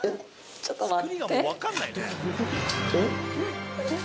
ちょっと待って。